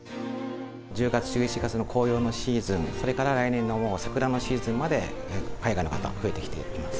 １０月、１１月の紅葉のシーズン、それから来年の桜のシーズンまで海外の方が増えてきています。